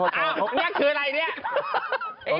อ้าวเนี่ยคืออะไรเนี่ย